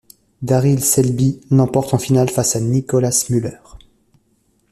Daryl Selby l'emporte en finale face à Nicolas Müller.